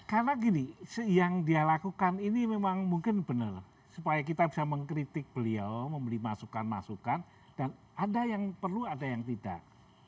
karena gini yang dia lakukan ini memang mungkin benar supaya kita bisa mengkritik beliau membeli masukan masukan dan ada yang perlu ada yang tidak